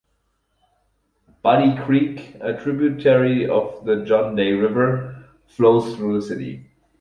Butte Creek, a tributary of the John Day River, flows through the city.